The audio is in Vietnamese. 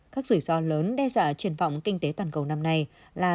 các rủi ro lớn đe dọa triển vọng kinh tế toàn cầu năm nay là